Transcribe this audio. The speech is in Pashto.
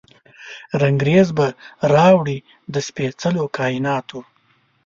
رنګریز به راوړي، د سپیڅلو کائیناتو،